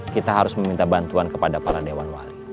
kita harus meminta bantuan kepada para dewan wali